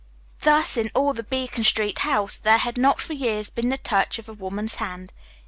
Thus in all the Beacon Street house, there had not for years been the touch of a woman's hand.